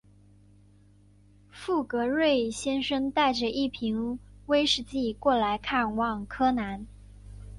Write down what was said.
富格瑞先生带着一瓶威士忌过来看望柯南。